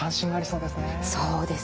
そうですよね。